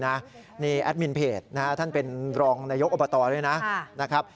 นี่แอดมินเพจท่านเป็นรองนายกอบตด้วยนะครับ